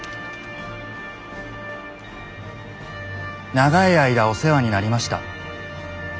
「長い間お世話になりました。